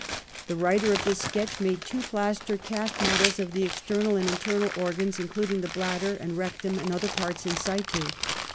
The writer of this sketch made tAVO plaster cast models of the external and internal organs, including the bladder and rec tum and other parts in situ.